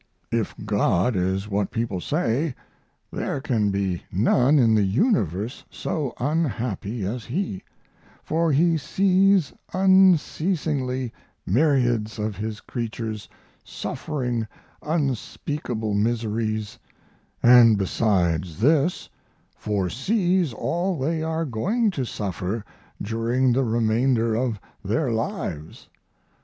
If God is what people say there can be none in the universe so unhappy as he; for he sees unceasingly myriads of his creatures suffering unspeakable miseries, and, besides this, foresees all they are going to suffer during the remainder of their lives.